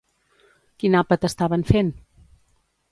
Quin àpat estaven fent?